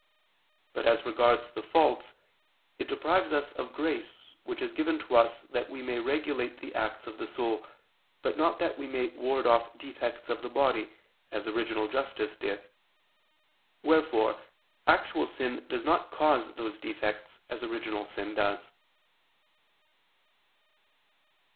But as regards the fault, it deprives us of grace which is given to us that we may regulate the acts of the soul, but not that we may ward off defects of the body, as original justice did. Wherefore actual sin does not cause those defects, as original sin does.